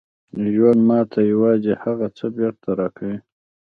ژوند ماته یوازې هغه څه بېرته راکوي